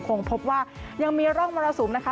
ส่วนในระยะนี้หลายพื้นที่ยังคงพบเจอฝนตกหนักได้ค่ะ